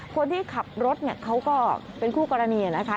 คนที่ขับรถเนี่ยเขาก็เป็นคู่กรณีนะคะ